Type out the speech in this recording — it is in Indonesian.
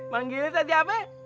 manggilnya tadi apa ya